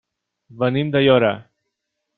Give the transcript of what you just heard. Venim d'Aiora.